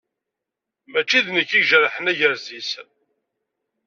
Mačči d nekk i ijerḥen agrez-is.